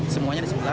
semuanya ada sebelas